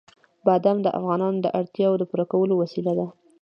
بادام د افغانانو د اړتیاوو د پوره کولو وسیله ده.